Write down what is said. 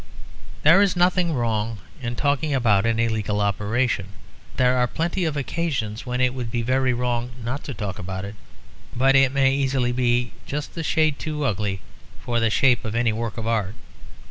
There is nothing wrong in talking about an illegal operation; there are plenty of occasions when it would be very wrong not to talk about it. But it may easily be just a shade too ugly for the shape of any work of art.